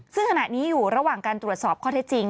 ซึ่งขณะนี้อยู่ระหว่างการตรวจสอบข้อเท็จจริง